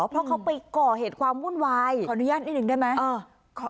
เพราะเขาไปก่อเหตุความวุ่นวายขออนุญาตนิดหนึ่งได้ไหม